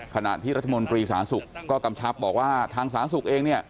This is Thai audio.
ขณะที่รัฐมนตรีสารสุขก็กำชับบอกว่าทางสารสุขเอง